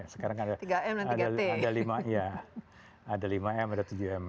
sekarang ada lima m ada tujuh m